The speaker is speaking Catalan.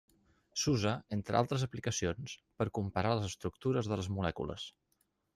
S'usa, entre altres aplicacions, per comparar les estructures de les molècules.